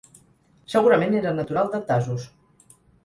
Segurament era natural de Tasos.